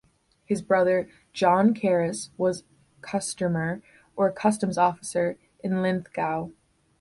His brother, John Cairns, was Custumar, or customs officer, in Linlithgow.